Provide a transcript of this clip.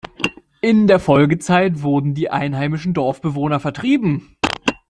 In der Folgezeit wurden die einheimischen Dorfbewohner vertrieben.